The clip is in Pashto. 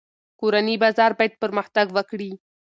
کورني بازار باید پرمختګ وکړي.